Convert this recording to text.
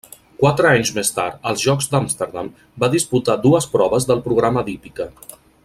Quatre anys més tard, als Jocs d'Amsterdam, va disputar dues proves del programa d'hípica.